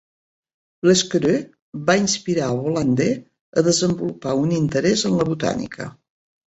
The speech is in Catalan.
Lesquereux va inspirar a Bolander a desenvolupar un interès en la botànica.